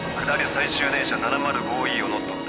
最終電車７０５Ｅを乗っ取った。